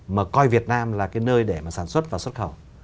mà coi việt nam là cái nơi để mà sản xuất và xuất khẩu